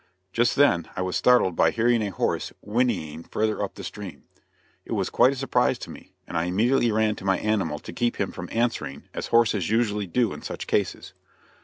Just then I was startled by hearing a horse whinnying further up the stream. It was quite a surprise to me, and I immediately ran to my animal to keep him from answering, as horses usually do in such cases.